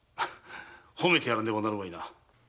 褒めてやらねばならないな。